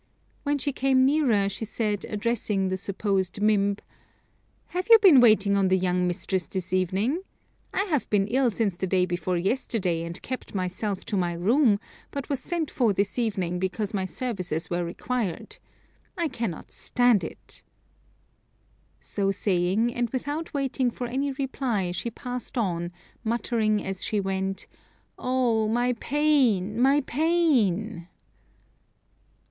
When she came nearer she said, addressing the supposed Mimb, "Have you been waiting on the young mistress this evening? I have been ill since the day before yesterday, and kept myself to my room, but was sent for this evening because my services were required. I cannot stand it." So saying, and without waiting for any reply, she passed on, muttering as she went, "Oh! my pain! my pain!"